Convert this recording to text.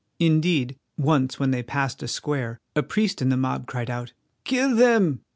Indeed, once when they passed a square, a priest in the mob cried out, "Kill them!"